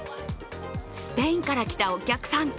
スペインから来たお客さん。